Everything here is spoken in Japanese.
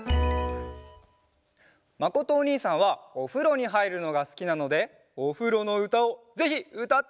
まことおにいさんはおふろにはいるのがすきなのでおふろのうたをぜひうたってほしいです！